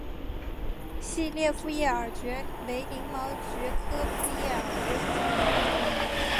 细裂复叶耳蕨为鳞毛蕨科复叶耳蕨属下的一个种。